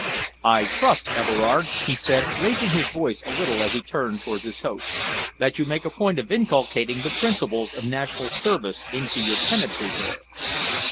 "I trust, Everard," he said, raising his voice a little as he turned towards his host, "that you make a point of inculcating the principles of National Service into your tenantry here."